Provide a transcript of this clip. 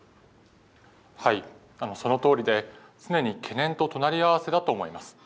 そのとおりで、常に懸念と隣り合わせだと思います。